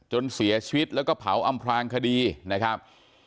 จนเสียชีวิตแล้วก็เผาอำพลางคดีนะครับ